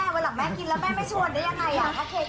เก๊ก